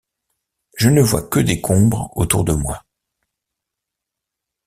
Je ne vois que décombres autour de moi.